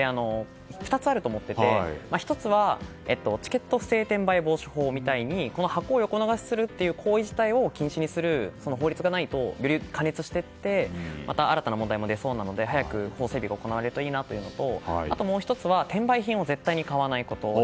２つあると思ってて１つはチケット制転売防止法みたいに箱を横流しする行為自体を禁止にする法律がないと過熱していってまた新たな問題も出そうなので早く法整備が行われるといいなというのとあと、もう１つ転売品を買わないこと。